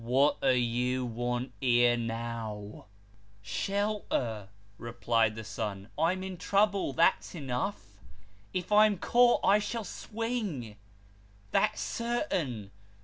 " What do you want here, now ?"" Shelter," replied the son, " I'm in trouble : that's enough. If I'm caught I shall swing ; that's certain.